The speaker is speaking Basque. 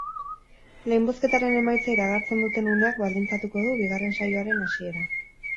Lehen bozketaren emaitza iragartzen duten uneak baldintzatuko du bigarren saioaren hasiera.